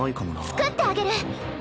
作ってあげる！